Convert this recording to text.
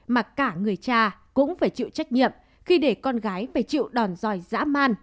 mà cả người cha cũng phải chịu trách nhiệm khi để con gái phải chịu đòn dòi dã man